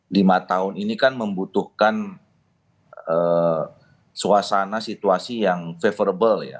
lima tahun ini kan membutuhkan suasana situasi yang favorable ya